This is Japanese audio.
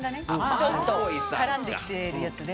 ちょっと絡んできてるやつで。